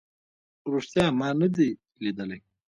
ریښتیا ما نه دی لیدلی